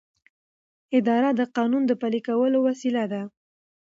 اداره د قانون د پلي کولو وسیله ده.